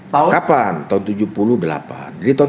tahun kapan tahun seribu sembilan ratus tujuh puluh delapan